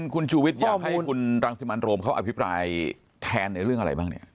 คุณชูวิทย์อยากให้คุณรังสิมันโรมเขาอภิปรายแทนในเรื่องอะไรบ้างเนี่ย